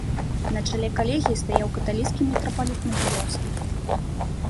На чале калегіі стаяў каталіцкі мітрапаліт магілёўскі.